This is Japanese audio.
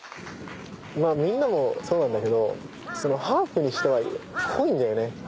みんなもそうなんだけどハーフにしては濃いんだよね。